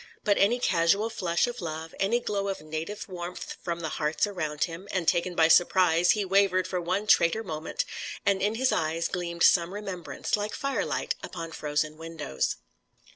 But any casual flush of love, any glow of native warmth from the hearts around him, and taken by surprise he wavered for one traitor moment, and in his eyes gleamed some remembrance, like firelight upon frozen windows.